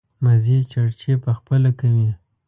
مزې چړچې په خپله کوي.